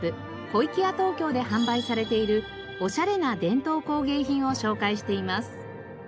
小粋屋東京で販売されているおしゃれな伝統工芸品を紹介しています。